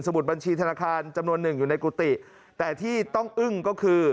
มุดบัญชีธนาคารจำนวนหนึ่งอยู่ในกุฏิแต่ที่ต้องอึ้งก็คือ